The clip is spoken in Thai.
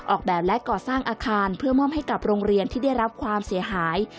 ออกแบบและก่อสร้างอาคารเพื่อมอบให้กับโรงเรียนที่ได้รับความเสียหาย